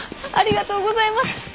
ありがとうございます。